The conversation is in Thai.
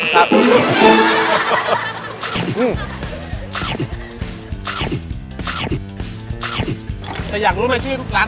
อยากรู้ไหมที่ทุกร้านก็ติดอ่าง